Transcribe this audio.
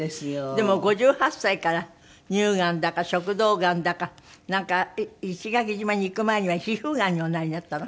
でも５８歳から乳がんだか食道がんだかなんか石垣島に行く前には皮膚がんにおなりになったの？